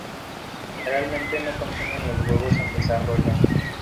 Generalmente no consumen los huevos en desarrollo.